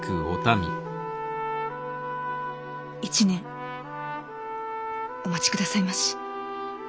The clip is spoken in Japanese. １年お待ちくださいまし。